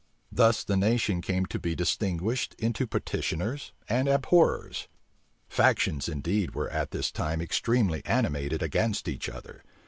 Thus the nation came to be distinguished into petitioners and abhorrers. Factions indeed were at this time extremely animated against each other.